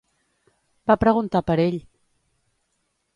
Va preguntar per ell.